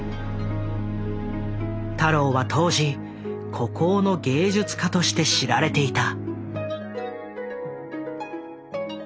太郎は当時孤高の芸術家として知られていた。